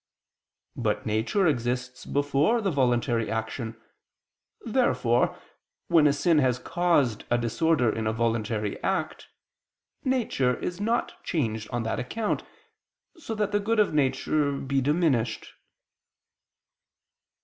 But nature exists before the voluntary action. Therefore, when sin has caused a disorder in a voluntary act, nature is not changed on that account, so that the good of nature be diminished.